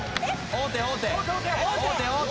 王手王手。